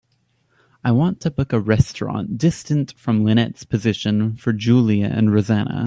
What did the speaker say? I want to book a restaurant distant from lynette's position for julia and rosanna.